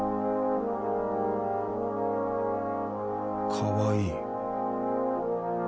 かわいい。